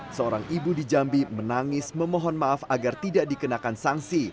seorang ibu di jambi menangis memohon maaf agar tidak dikenakan sanksi